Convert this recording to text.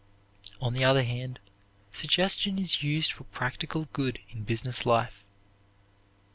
On the other hand, suggestion is used for practical good in business life.